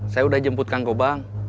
saya udah jemput kang kobang